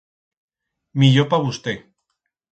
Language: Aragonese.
Millor pa vusté.